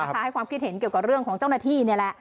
ให้ความคิดเห็นเรื่องของเจ้าหน้าที่